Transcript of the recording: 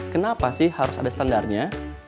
kenapa sih harus ada standarnya